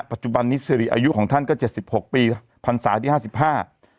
ปัจจุบันนี้สิริอายุของท่านก็เจ็ดสิบหกปีพันศาที่ห้าสิบห้า